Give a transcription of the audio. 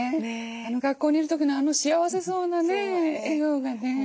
あの学校にいる時のあの幸せそうなね笑顔がね。